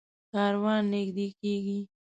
کاروان نږدې کېږي.